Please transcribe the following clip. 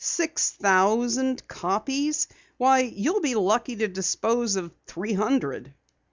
"Six thousand copies! Why, you'll be lucky to dispose of three hundred!"